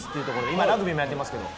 今、ラグビーもやってますけど。